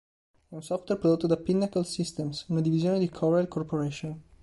È un software prodotto da Pinnacle Systems, una divisione di Corel Corporation.